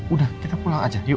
udah kita pulang aja yuk